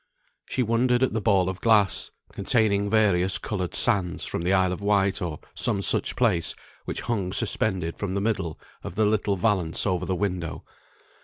She wondered at the ball of glass, containing various coloured sands from the Isle of Wight, or some such place, which hung suspended from the middle of the little valance over the window.